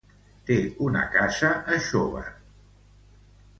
Té una casa a Xóvar.